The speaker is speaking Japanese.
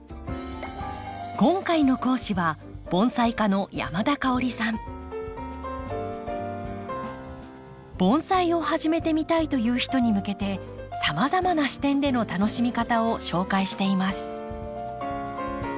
今回の講師は盆栽を始めてみたいという人に向けてさまざまな視点での楽しみ方を紹介しています。